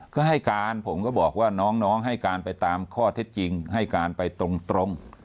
ก็ให้การผมก็บอกว่าน้องให้การไปตามข้อเท็จจริงให้การไปตรง